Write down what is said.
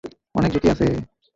অনেক ঝুকি আছে।